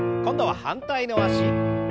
今度は反対の脚。